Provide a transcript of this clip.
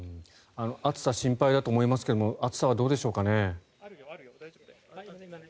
暑さ、心配だと思いますが暑さはどうでしょうか。